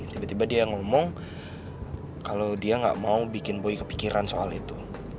tiba tiba dia ngomong kalau dia nggak mau bikin boy kepikiran soal itu